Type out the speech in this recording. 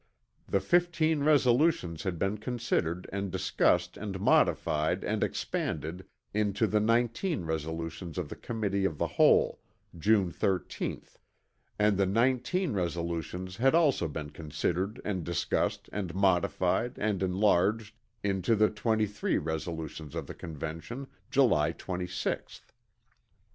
The 15 resolutions had been considered and discussed and modified and expanded into the 19 resolutions of the Committee of the Whole, June 13th; and the 19 resolutions had also been considered and discussed and modified and enlarged into the 23 resolutions of the Convention, July 26th.